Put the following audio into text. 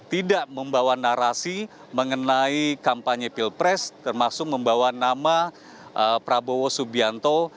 tidak membawa narasi mengenai kampanye pilpres termasuk membawa nama prabowo subianto